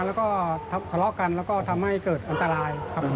แล้วก็ทะเลาะกันแล้วก็ทำให้เกิดอันตรายครับ